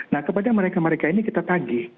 nah kepada mereka mereka ini kita tagih